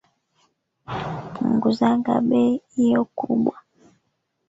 Punguzaga bei iyo kubwa.